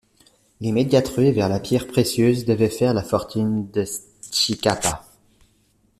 L'immédiate ruée vers la pierre précieuse devait faire la fortune de Tshikapa.